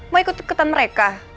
mau ikut tuketan mereka